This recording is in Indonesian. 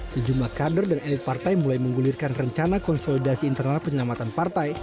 sejumlah kader dan elit partai mulai menggulirkan rencana konsolidasi internal penyelamatan partai